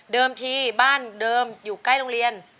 ที่บ้านเดิมอยู่ใกล้โรงเรียน